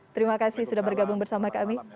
terima kasih sudah bergabung bersama kami